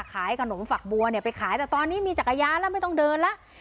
ขายขนมฝักบัวเนี่ยไปขายแต่ตอนนี้มีจักรยานแล้วไม่ต้องเดินแล้ว